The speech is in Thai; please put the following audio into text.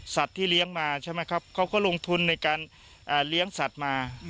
ที่เลี้ยงมาใช่ไหมครับเขาก็ลงทุนในการเลี้ยงสัตว์มา